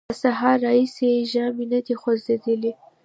له سهاره راهیسې یې ژامې نه دې خوځېدلې!